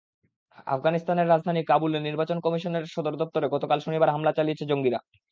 আফগানিস্তানের রাজধানী কাবুলে নির্বাচন কমিশনের সদর দপ্তরে গতকাল শনিবার হামলা চালিয়েছে জঙ্গিরা।